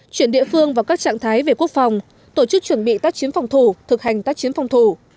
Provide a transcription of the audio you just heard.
chuyển địa phương vào các trạng thái về quốc phòng tổ chức chuẩn bị tác chiến phòng thủ thực hành tác chiến phòng thủ